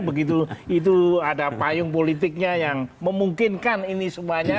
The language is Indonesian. begitu itu ada payung politiknya yang memungkinkan ini semuanya